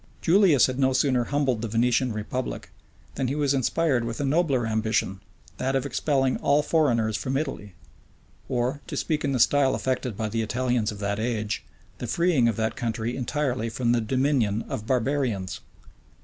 {1510.} Julius had no sooner humbled the Venetian republic, than he was inspired with a nobler ambition, that of expelling all foreigners from Italy, or, to speak in the style affected by the Italians of that age, the freeing of that country entirely from the dominion of barbarians.